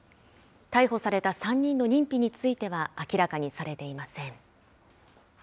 逮捕された３人の認否については、明らかにされていません。